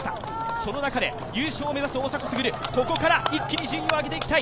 その中で優勝を目指す大迫傑、ここから一気に順位を上げていきたい。